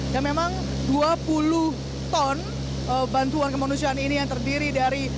dan memang dua puluh ton bantuan kemanusiaan ini yang terdiri dari